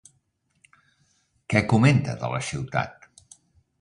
Què comenta de la ciutat?